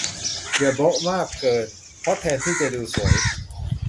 อย่าโบ๊ะมากเกิน เพราะแทนที่จะดูสวย